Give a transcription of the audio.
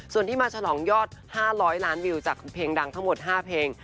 ส่วนที่มาฉลองยอด๕๐๐ล้านวิวจากเพลงดังทั้งหมด๕เพลง